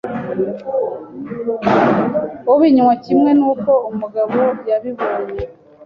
Ubinywa kimwe n’uko umugabo yabinyoye,